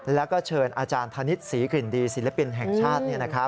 แล้วก็เชิญอาจารย์ธนิษฐ์ศรีกลิ่นดีศิลปินแห่งชาติ